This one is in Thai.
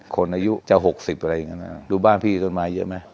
คนอายุจะ๖๐อะไรอย่างนั้นดูบ้านพี่ต้นไม้เยอะไหม